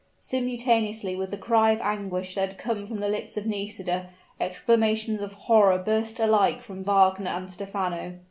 Simultaneously with the cry of anguish that had come from the lips of Nisida, exclamations of horror burst alike from Wagner and Stephano.